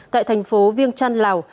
tại thành phố viêng trăn lào